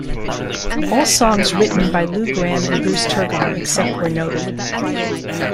All songs written by Lou Gramm and Bruce Turgon except where noted.